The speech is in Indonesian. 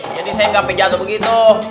jadi saya gak sampe jatuh begitu